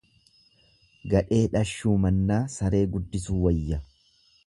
Gadhee dhashuu mannaa saree guddisuu wayya.